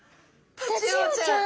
タチウオちゃん！